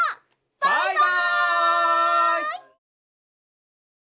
バイバイ！